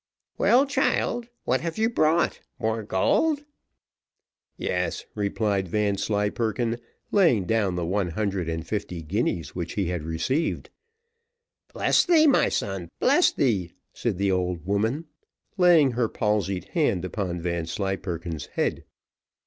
"Well, child, what have you brought more gold?" "Yes," replied Vanslyperken, laying down the one hundred and fifty guineas which he had received. "Bless thee, my son bless thee!" said the old woman, laying her palsied hand upon Vanslyperken's head.